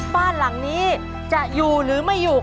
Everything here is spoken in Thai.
บ้านหลังนี้จะอยู่หรือไม่อยู่